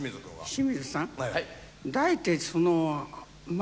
「清水さん？」